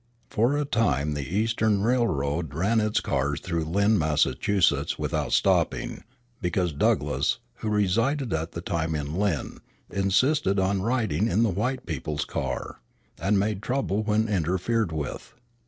For a time the Eastern Railroad ran its cars through Lynn, Massachusetts, without stopping, because Douglass, who resided at that time in Lynn, insisted on riding in the white people's car, and made trouble when interfered with.